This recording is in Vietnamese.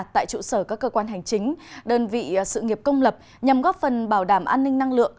tại trụ sở các cơ quan hành chính đơn vị sự nghiệp công lập nhằm góp phần bảo đảm an ninh năng lượng